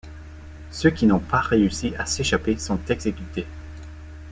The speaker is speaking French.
Ceux qui n'ont pas réussi à s'échapper sont exécutés.